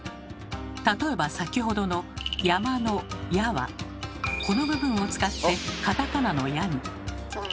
例えば先ほどの「山」の「也」はこの部分を使ってカタカナの「ヤ」に。